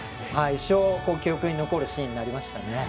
一生記憶に残るシーンになりました。